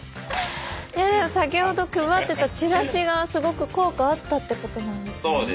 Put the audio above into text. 先ほど配ってたチラシがすごく効果あったってことなんですね。